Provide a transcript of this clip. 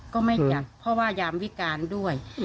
ก็ไม่จัดเพราะว่ายามวิการด้วย